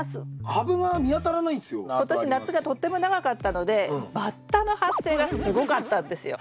今年夏がとっても長かったのでバッタの発生がすごかったんですよ。